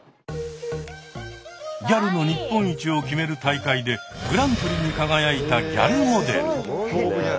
ギャルの日本一を決める大会でグランプリに輝いたギャルモデル。